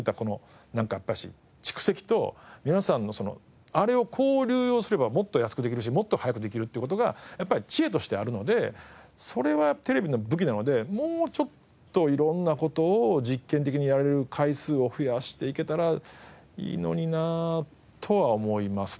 やっぱし蓄積と皆さんの「あれをこう流用すればもっと安くできるしもっと早くできる」っていう事がやっぱり知恵としてあるのでそれはテレビの武器なのでもうちょっといろんな事を実験的にやれる回数を増やしていけたらいいのになとは思いますね。